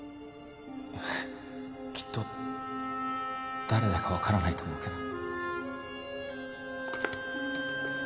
きっと誰だかわからないと思うけど。